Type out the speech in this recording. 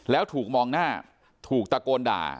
แล้วถูกมองหน้าถูกตะโกนด่า